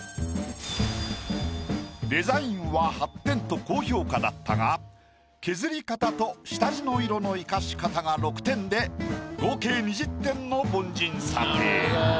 デザインは８点と高評価だったが削り方と下地の色の生かし方が６点で合計２０点の凡人査定。